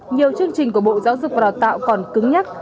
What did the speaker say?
nhiều chương trình của bộ giáo dục và đào tạo còn cứng nhắc